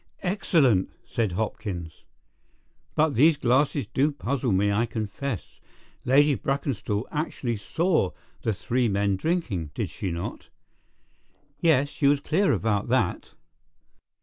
"Excellent!" said Hopkins. "But these glasses do puzzle me, I confess. Lady Brackenstall actually saw the three men drinking, did she not?" "Yes; she was clear about that."